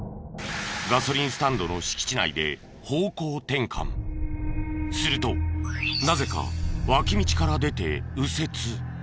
ガソリンスタンドの敷地内でするとなぜか脇道から出て右折。